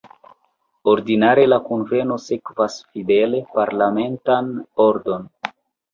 Ordinare la kunveno sekvas fidele parlamentan ordon.